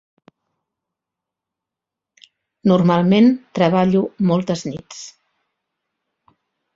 Normalment, treballo moltes nits.